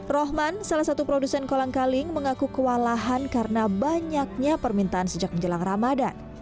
rohman salah satu produsen kolang kaling mengaku kewalahan karena banyaknya permintaan sejak menjelang ramadan